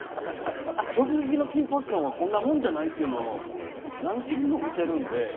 直撃の緊迫感はこういうものじゃないって何件も見ているので。